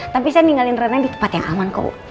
tapi saya ninggalin renang di tempat yang aman kok